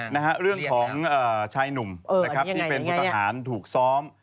แล้วเรื่องของชายหนุ่มที่เป็นคนทหารถูกซ้อม